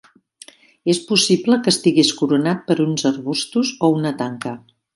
És possible que estigués coronat per uns arbustos o una tanca.